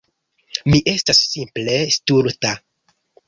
Mi estas simple stulta.